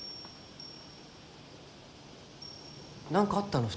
何かあったの？